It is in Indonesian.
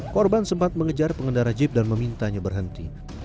korban sempat mengejar pengendara jeep dan memintanya berhenti